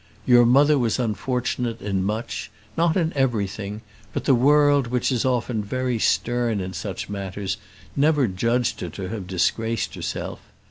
Your mother was unfortunate in much, not in everything; but the world, which is very often stern in such matters, never judged her to have disgraced herself.